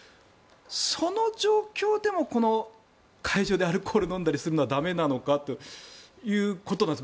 その状況でも会場でアルコールを飲んだりするのは駄目なのかっていうことなんです。